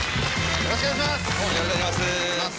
よろしくお願いします。